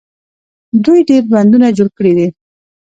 دوی ډیر بندونه جوړ کړي دي.